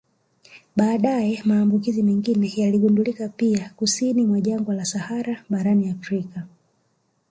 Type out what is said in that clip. Baadaye maambukizi mengine yaligundulika pia kusini mwa jangwa la Sahara barani Afrika